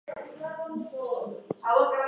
Produced by Jon Shaikh and Bernie Costello.